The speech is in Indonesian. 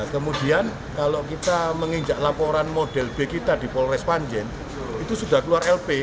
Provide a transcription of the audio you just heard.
kemudian kalau kita menginjak laporan model b kita di polres panjen itu sudah keluar lp